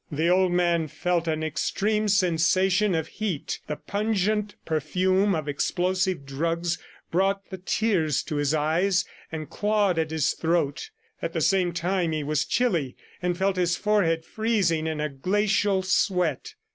The old man felt an extreme sensation of heat. The pungent perfume of explosive drugs brought the tears to his eyes and clawed at his throat. At the same time he was chilly and felt his forehead freezing in a glacial sweat.